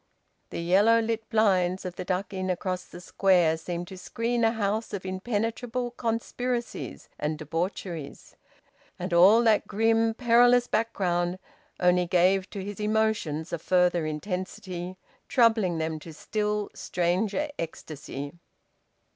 The yellow lit blinds of the Duck Inn across the Square seemed to screen a house of impenetrable conspiracies and debaucheries. And all that grim, perilous background only gave to his emotions a further intensity, troubling them to still stranger ecstasy.